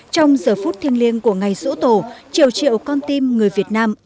trong giờ phút thiên liêng của ngày rũ tổ triệu triệu con tim người việt nam